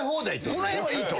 この辺はいいと。